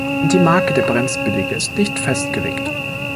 Die Marke der Bremsbeläge ist nicht festgelegt.